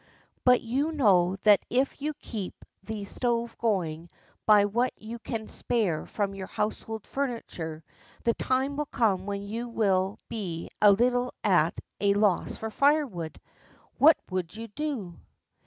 But you know that if you keep the stove going by what you can spare from your household furniture, the time will come when you will be a little at a loss for firewood. What would you do?